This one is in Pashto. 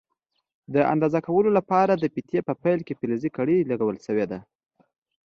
د اندازه کولو لپاره د فیتې په پیل کې فلزي کړۍ لګول شوې ده.